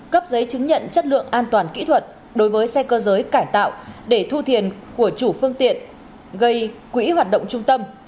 cấp giấy chứng nhận chất lượng an toàn kỹ thuật đối với xe cơ giới cải tạo để thu thiền của chủ phương tiện gây quỹ hoạt động trung tâm